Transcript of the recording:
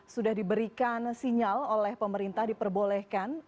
sudah diberikan sinyal oleh pemerintah diperbolehkan